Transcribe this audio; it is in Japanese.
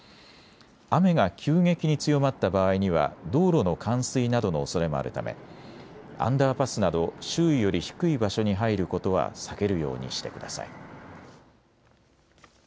雨が急激に強まった場合には道路の冠水などのおそれもあるためアンダーパスなど周囲より低い場所に入ることは避けるようにしてください。